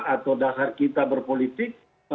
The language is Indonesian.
atau dasar kita berpolitik